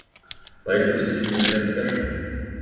Паэт прысвяціў ёй шэраг вершаў.